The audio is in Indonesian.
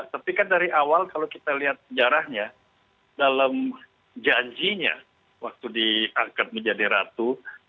tapi kan dari awal kalau kita lihat sejarahnya dalam janjinya waktu diangkat menjadi ratu